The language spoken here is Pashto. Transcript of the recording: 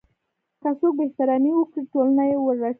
که څوک بې احترامي وکړي ټولنه یې ورټي.